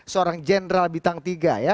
seorang general bitang tiga